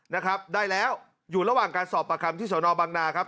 นะครับได้แล้วอยู่ระหว่างการสอบประคำที่สนบังนาครับ